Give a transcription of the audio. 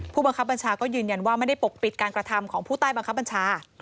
ผู้บังคับบัญชาก็ยืนยันว่าไม่ได้ปกปิดการกระทำของผู้ใต้บังคับบัญชา